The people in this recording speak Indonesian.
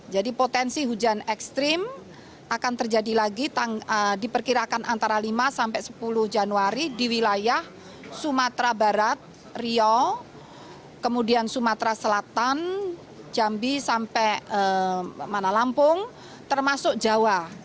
jadi potensi hujan ekstrim akan terjadi lagi diperkirakan antara lima sampai sepuluh januari di wilayah sumatera barat rio kemudian sumatera selatan jambi sampai mana lampung termasuk jawa